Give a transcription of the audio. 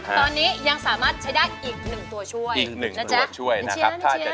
แหมเอาให้ได้นะต้องเอาให้ได้